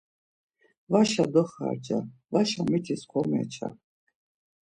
Vaşa doxarca, vaşa mitis komeça.